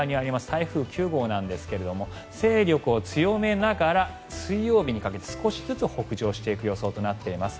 台風９号ですが勢力を強めながら水曜日にかけて少しずつ北上していく予想となっています。